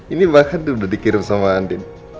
ini banget tuh udah dikirim sama andi